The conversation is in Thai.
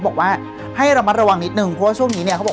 บอกว่าให้ระมัดระวังนิดนึงเพราะว่าช่วงนี้เนี่ยเขาบอก